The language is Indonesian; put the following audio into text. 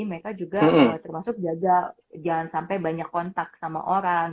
mereka juga termasuk jaga jangan sampai banyak kontak sama orang